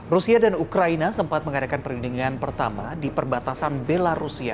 rusia dan ukraina sempat mengadakan perlindungan pertama di perbatasan belarusia